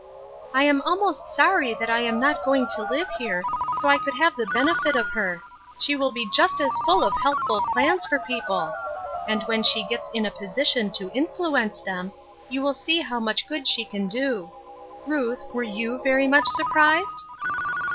'^ I am almost sorry that I am not going to live here, so I could have the benefit of her; she will be just as full of helpful plans for people ! And when she gets in a position to influence them you will see how much good she can do. Ruth, were you verj much surprised?